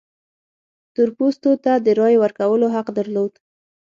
تور پوستو ته د رایې ورکولو حق درلود.